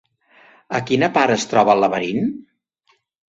A quina part es troba el laberint?